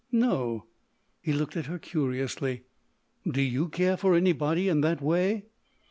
"No." He looked at her, curiously. "Do you care for anybody in that way?"